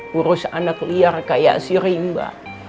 kurus anak liar kayak si rimba